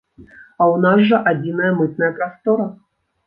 А ў нас жа адзіная мытная прастора.